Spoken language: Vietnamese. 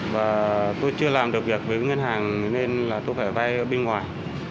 và tôi chưa làm được việc với ngân hàng nên là tôi phải vay ở bên ngoài